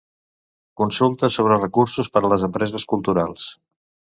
Consultes sobre recursos per a les empreses culturals.